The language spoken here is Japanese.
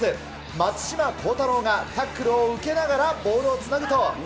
松島幸太朗がタックルを受けながらボールをつなぐと。